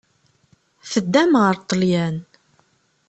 Teddam ɣer Ṭṭalyan.